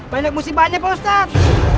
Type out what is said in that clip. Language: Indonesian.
banyak musibahnya pak ustaz